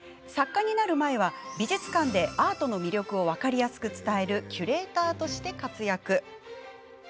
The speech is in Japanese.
作家になる前は美術館でアートの魅力を分かりやすく伝えるキュレーターとして活躍。